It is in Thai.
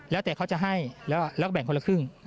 แล้วแต่เขาจะให้แล้วก็แบ่งคนละครึ่ง